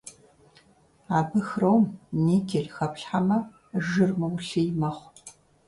Абы хром, никель хэплъхьэмэ, жыр мыулъий мэхъу.